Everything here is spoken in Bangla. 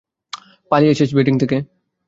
–পালিয়েছিস বোডিং থেকে!